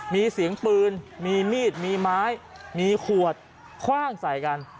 มีเสียงปืนมีมีดมีไม้มีขวดคว่างใส่กัน